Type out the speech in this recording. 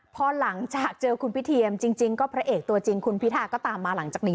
พอหลังจากเจอคุณพิเทียมจริงก็พระเอกตัวจริงคุณพิธาก็ตามมาหลังจากนี้